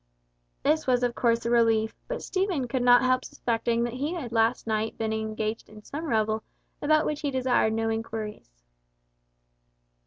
This was of course a relief, but Stephen could not help suspecting that he had been last night engaged in some revel about which he desired no inquiries.